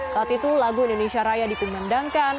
saat itu lagu indonesia raya dikumandangkan